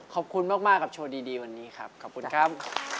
ขอบคุณมากกับโชว์ดีวันนี้ครับขอบคุณครับ